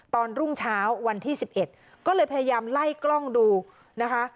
รุ่งเช้าวันที่๑๑ก็เลยพยายามไล่กล้องดูนะคะ